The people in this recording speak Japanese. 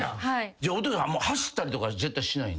じゃあお父さん走ったりとか絶対しないんですね。